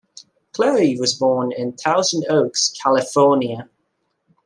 Chloe was born in Thousand Oaks, California.